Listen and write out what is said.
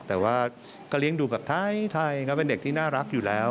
แต่ว่าก็เลี้ยงดูแบบไทยก็เป็นเด็กที่น่ารักอยู่แล้ว